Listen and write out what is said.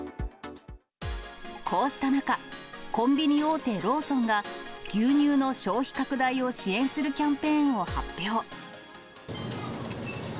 こうした中、コンビニ大手、ローソンが、牛乳の消費拡大を支援するキャンペーンを発表。